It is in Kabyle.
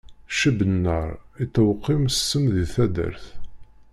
Ccib nnaṛ, ittewqim ssem di taddart.